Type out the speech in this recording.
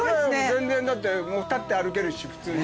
全然だってもう立って歩けるし普通に。